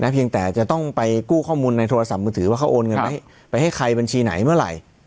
เพียงแต่จะต้องไปกู้ข้อมูลในโทรศัพท์มือถือว่าเขาโอนเงินไปให้ใครบัญชีไหนเมื่อไหร่